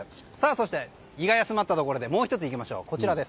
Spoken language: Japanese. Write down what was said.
そして、胃が休まったところでもう１ついきましょう。